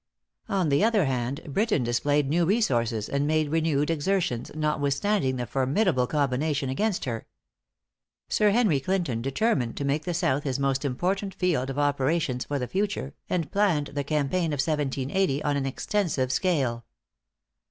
On the other hand, Britain displayed new resources, and made renewed exertions, notwithstanding the formidable combination against her. Sir Henry Clinton determined to make the South his most important field of operations for the future, and planned the campaign of 1780 on an extensive scale.